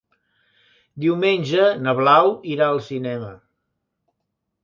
Diumenge na Blau irà al cinema.